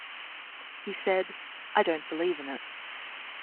He said, I don't believe in it.